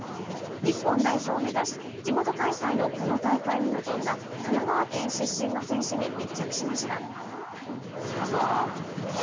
日本代表を目指し地元開催のこの大会に臨んだ神奈川県出身の選手に密着しました。